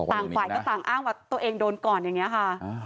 ต่างฝ่ายก็ต่างอ้างว่าตัวเองโดนก่อนอย่างนี้ค่ะ